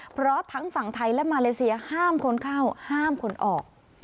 เพราะทั้งฝั่งไทยและมาเลเซียห้ามคนเข้าห้ามคนออก